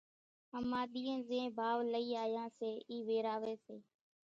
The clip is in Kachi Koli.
ۿماۮِيئين زين ڀائو لئي آيان سي اِي ويراوي سي،